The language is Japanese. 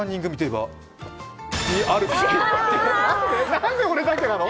何で俺だけなの？